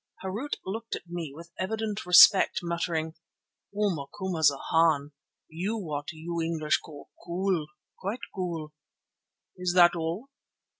Harût looked at me with evident respect, muttering: "Oh, Macumazana, you what you English call cool, quite cool! Is that all?"